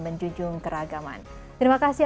menjunjung keragaman terima kasih